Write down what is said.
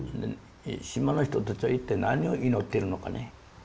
島の人たちは一体何を祈ってるのかね。